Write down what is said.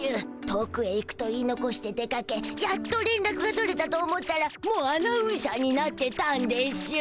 遠くへ行くと言いのこして出かけやっとれんらくが取れたと思ったらもうアナウンサーになってたんでしゅ。